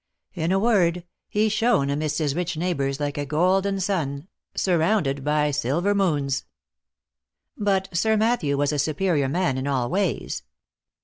In a word, he shone amidst his rich neighbours like a golden sun, surrounded by silver moons. But Sir Matthew was a superior man in all ways.